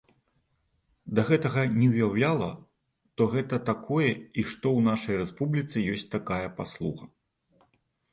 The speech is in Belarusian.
Да гэтага не ўяўляла, то гэта такое і што ў нашай рэспубліцы ёсць такая паслуга.